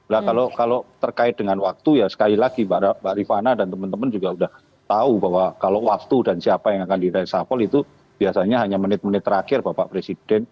lah kalau terkait dengan waktu ya sekali lagi mbak rifana dan teman teman juga sudah tahu bahwa kalau waktu dan siapa yang akan di reshuffle itu biasanya hanya menit menit terakhir bapak presiden